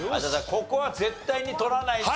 ここは絶対に取らないと。